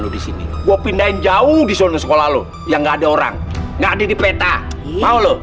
di sini gue pindahin jauh di sana sekolah lo yang nggak ada orang nggak ada di peta mau lo